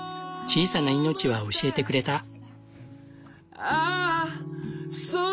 小さな命は教えてくれた。